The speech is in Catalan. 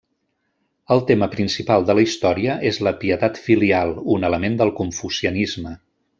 El tema principal de la història és la pietat filial, un element del confucianisme.